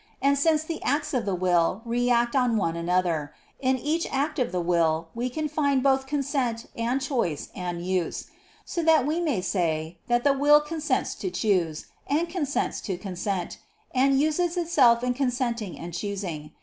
And since the acts of the will react on one another, in each act of the will we can find both consent and choice and use; so that we may say that the will consents to choose, and consents to consent, and uses itself in consenting and choosing.